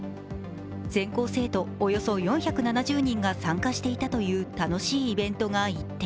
全校生徒およそ４７０人が参加していたという楽しいイベントが一転。